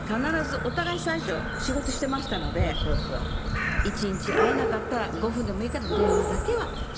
お互い最初仕事してましたので１日会えなかったら５分でもいいから電話だけはしてねっていう。